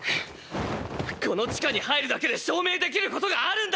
この地下に入るだけで証明できることがあるんだ！